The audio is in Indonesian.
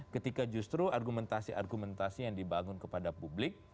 ketika justru argumentasi argumentasi yang dibangun kepada publik